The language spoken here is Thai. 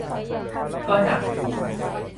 ก็หนักอยู่